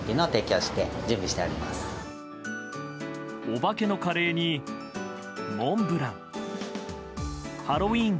お化けのカレーにモンブラン。